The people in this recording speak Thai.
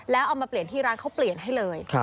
แล้วเอามาเปลี่ยนที่ร้านเขาเปลี่ยนให้เลย